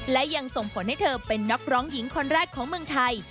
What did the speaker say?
และยังส่งผลให้เธอเป็นนักร้องหญิงคนแรกของเมืองไทย